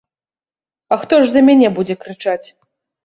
А хто ж за мяне будзе крычаць?